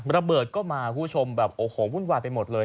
ระเบิดก็มาคุณผู้ชมแบบโอ้โหวุ่นวายไปหมดเลย